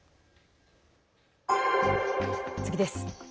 次です。